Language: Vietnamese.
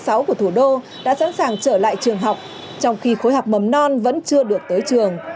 của thủ đô đã sẵn sàng trở lại trường học trong khi khối học mầm non vẫn chưa được tới trường